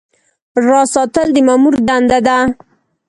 راز ساتل د مامور دنده ده